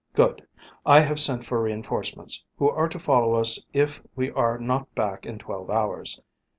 Good! I have sent for reinforcements, who are to follow us if we are not back in twelve hours."